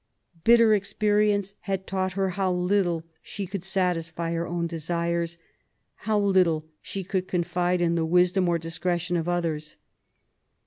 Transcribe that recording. Bitter experience had taught her how little she could satisfy her own desires, how little she could confide in the wisdom or discretion of others.